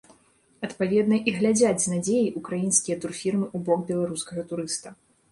Адпаведна, і глядзяць з надзеяй украінскія турфірмы ў бок беларускага турыста.